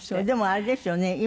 でもあれですよね。